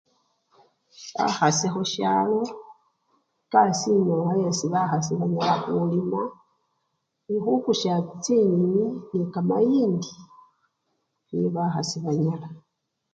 Bakhasi khusyalo, ekasii enyowa, bakhasi banyala khulima nekhukusya chinyenyi nekamayindi niye bakhasi banyala.